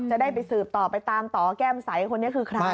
จะได้ไปสืบต่อไปตามต่อแก้มใสคนนี้คือใคร